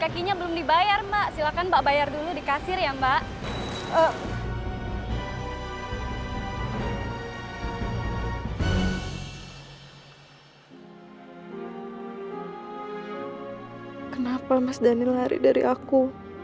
kenapa mas dhani lari dari aku